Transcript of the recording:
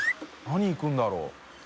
何いくんだろう？）